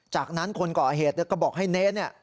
จากนั้นคนก่อเหตุก็บอกให้เน้นเนี่ย